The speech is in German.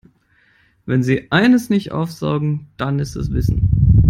Wenn sie eines nicht aufsaugen, dann ist es Wissen.